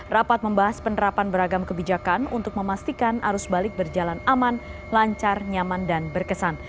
rapat membahas penerapan beragam kebijakan untuk memastikan arus balik berjalan aman lancar nyaman dan berkesan